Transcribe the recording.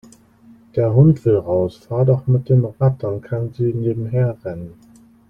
Der Hund will raus. Fahr doch mit dem Rad, dann kann sie nebenher rennen.